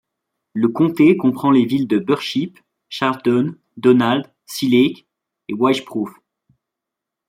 Le comté comprend les villes de Birchip, Charlton, Donald, Sea Lake et Wycheproof.